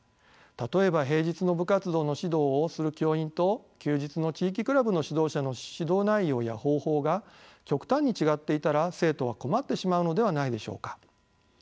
例えば平日の部活動の指導をする教員と休日の地域クラブの指導者の指導内容や方法が極端に違っていたら生徒は困ってしまうのではないでしょうか。